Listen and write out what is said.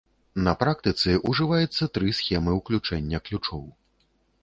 На практыцы ўжываецца тры схемы ўключэння ключоў.